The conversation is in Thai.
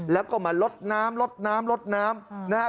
แล้วก็มาลดน้ำลดน้ำลดน้ำนะครับ